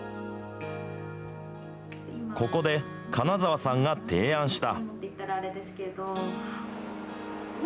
ここで、金澤さんが提案した。